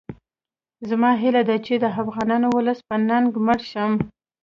زما هیله ده چې د افغان ولس په ننګ مړ شم